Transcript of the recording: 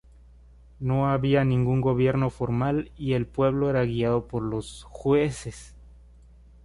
No había ningún gobierno formal, y el pueblo era guiado por los "jueces".